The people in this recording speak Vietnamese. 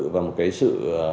và một cái sự